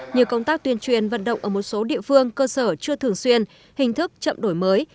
như công tác tuyên truyền vận động ở một số địa phương cơ sở chưa thường xuyên hình thức chậm đổi mới